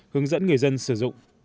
hướng dẫn người dân sử dụng